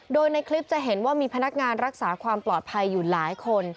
โดยในคลิปจะเห็นว่ามีพนักงานรักษาความปลอดภัยอยู่หลายคน